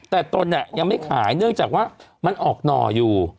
แต่ตนยังไม่ขายเนื่องจากว่ามันออกหน่ออยู่